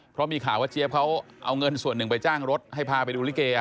เพราะมีข่าวว่าเจี๊ยบเขาเอาเงินส่วนหนึ่งไปจ้างรถให้พาไปดูลิเก